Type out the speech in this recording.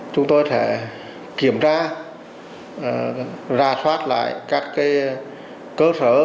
chúng tôi sẽ kiểm tra ra soát lại các cơ sở kinh doanh hoạt động cầm đồ trên địa bàn